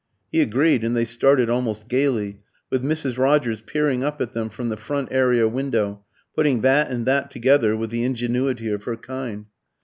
He agreed, and they started almost gaily, with Mrs. Rogers peering up at them from the front area window, putting that and that together with the ingenuity of her kind.